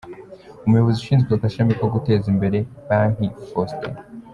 Umuybozi ushinzwe agashami ko guteza imbere banki, Faustin R.